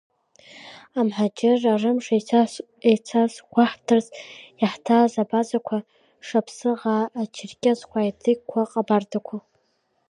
Амҳаџьыраа рымш еицазгәаҳҭарц иаҳҭааз абазақәа, шаԥсыӷаа, ачерқьесқәа, аедыгьқәа, аҟабардақәа…